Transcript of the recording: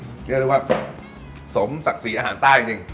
นี่ก็เรียกว่าสมศักดิ์สีอาหารใต้จริง